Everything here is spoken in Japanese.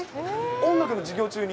音楽の授業中に？